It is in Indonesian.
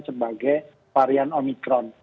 sebagai varian omicron